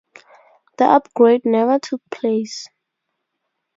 The upgrade never took place.